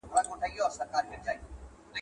نه ټپه سته په میوند کي نه یې شور په ملالۍ کي